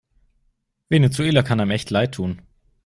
Venezuela kann einem echt leidtun.